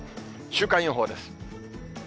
週間予報です。